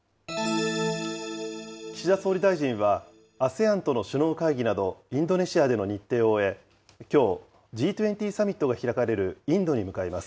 岸田総理大臣は、ＡＳＥＡＮとの首脳会議など、インドネシアでの日程を終え、きょう、Ｇ２０サミットが開かれるインドに向かいます。